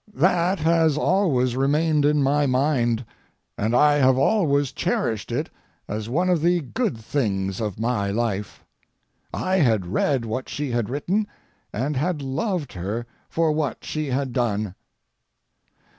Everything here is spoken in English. That has always remained in my mind, and I have always cherished it as one of the good things of my life. I had read what she had written, and had loved her for what she had done.